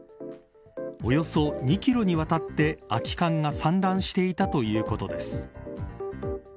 およそ２キロにわたって空き缶が散乱していたということです。